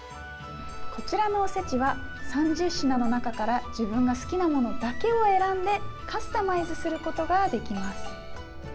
こちらのおせちは３０品の中から自分が好きなものだけを選んでカスタマイズすることができます。